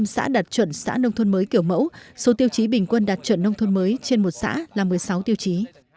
một trăm xã đạt chuẩn xã nông thôn mới kiểu mẫu số tiêu chí bình quân đạt chuẩn nông thôn mới trên một xã là một mươi sáu tiêu chí